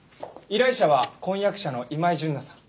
依頼者は婚約者の今井純奈さん。